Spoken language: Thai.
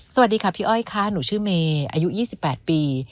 สวัสดีค่ะพี่อ้อยค่ะหนูชื่อเมย์อายุ๒๘ปี